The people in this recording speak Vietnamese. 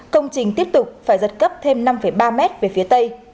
công trình tiếp tục phải giật cấp thêm năm ba mét về phía tây